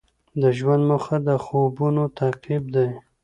د ژوند موخه د خوبونو تعقیب دی.